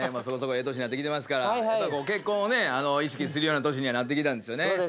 そこそこええ年なってきてますから結婚を意識するような年にはなってきたんですよね。